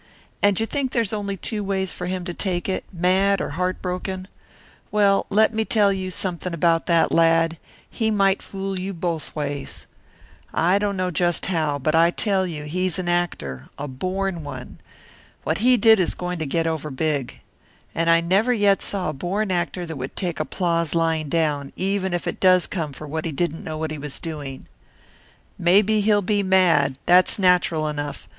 And you think there's only two ways for him to take it, mad or heart broken? Well, let me tell you something about that lad he might fool you both ways. I don't know just how, but I tell you he's an actor, a born one. What he did is going to get over big. And I never yet saw a born actor that would take applause lying down, even if it does come for what he didn't know he was doing. Maybe he'll be mad that's natural enough.